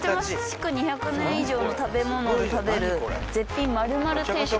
「築２００年以上の建物で食べる絶品！○○定食」